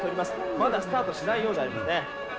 まだスタートしないようでありますね。